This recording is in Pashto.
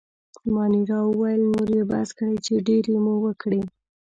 مانیرا وویل: نور يې بس کړئ، چې ډېرې مو وکړې.